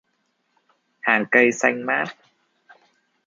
Hàng cây xanh mát